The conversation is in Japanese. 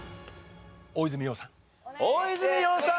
大泉洋さん